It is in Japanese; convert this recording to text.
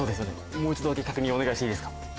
もう一度だけ確認お願いしていいですか？